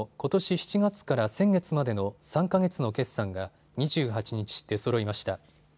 ７月から先月までの３か月の決算が２８日、出そろいました。